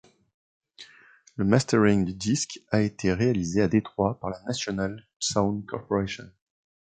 Le mastering du disque a été réalisé à Detroit par la National Sound Corporation.